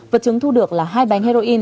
vật chứng thu được là hai bánh heroin